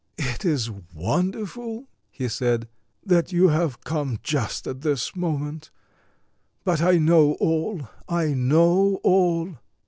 "It is wonderful," he said, "that you have come just at this moment; but I know all, I know all."